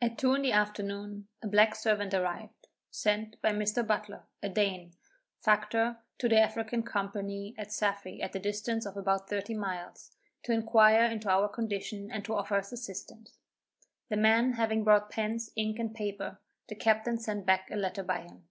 At two in the afternoon a black servant arrived, sent by Mr. Butler, a Dane, factor to the African Company at Saffy at the distance of about thirty miles, to inquire into our condition and to offer us assistance. The man having brought pens, ink and paper, the captain sent back a letter by him.